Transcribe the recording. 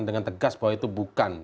dengan tegas bahwa itu bukan